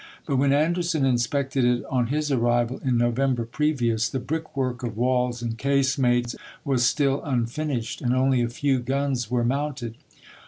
But when Anderson inspected it on his arrival in November previous, the brick work of walls and casemates ^i'^ctSn was still unfinished, and only a few guns were no^Tmsco. mounted.